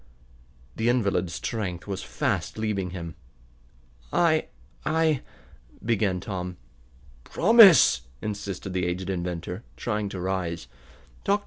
The invalid's strength was fast leaving him. "I I ," began Tom. "Promise!" insisted the aged inventor, trying to rise. Dr.